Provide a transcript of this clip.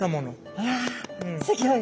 うわすギョい。